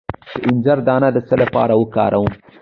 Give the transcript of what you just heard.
د انځر دانه د څه لپاره وکاروم؟